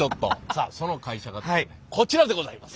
さあその会社がですねこちらでございます。